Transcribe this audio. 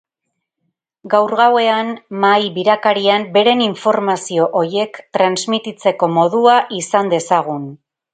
Gaur gauean mahai birakarian beren informazio horiek transmititzeko modua izan dezagun.